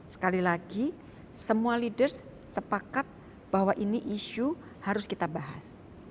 sekali lagi semua leaders sepakat bahwa ini isu harus kita bahas